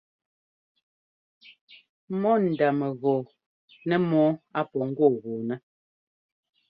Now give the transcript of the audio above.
Mɔ ndá mɛgɔɔ nɛ mɔ́ɔ á pɔ́ ŋgɔɔgɔɔnɛ́.